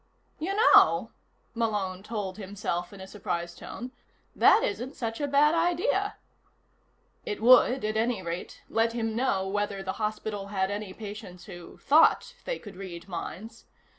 "You know," Malone told himself in a surprised tone, "that isn't such a bad idea." It would, at any rate, let him know whether the hospital had any patients who thought they could read minds.